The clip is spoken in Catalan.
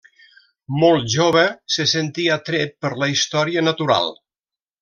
Molt jove se sentí atret per la història natural.